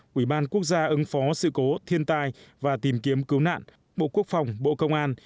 quỹ ban quốc gia ứng phó sự cố thiên tai và tìm kiếm cứu nạn bộ quốc phòng bộ công an